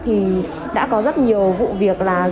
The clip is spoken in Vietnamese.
thì đã có rất nhiều vụ việc